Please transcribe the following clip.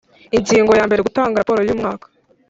Ingingo ya mbere Gutanga raporo y umwaka